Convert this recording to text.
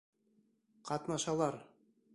ҠАТНАШАЛАР: